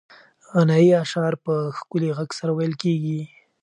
غنایي اشعار په ښکلي غږ سره ویل کېږي.